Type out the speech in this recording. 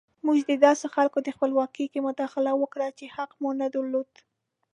موږ د داسې خلکو په خپلواکۍ کې مداخله وکړه چې حق مو نه درلود.